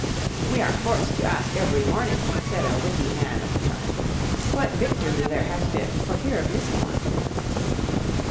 "We are forced to ask every morning," said a witty man of the time, "what victory there has been for fear of missing one."